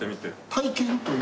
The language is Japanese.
体験というのは？